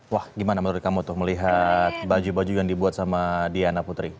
wah gimana menurut kamu tuh melihat baju baju yang dibuat sama diana putri